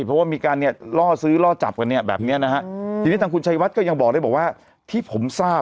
เพราะว่ามีการเนี่ยล่อซื้อล่อจับกันเนี่ยแบบเนี้ยนะฮะทีนี้ทางคุณชัยวัดก็ยังบอกได้บอกว่าที่ผมทราบ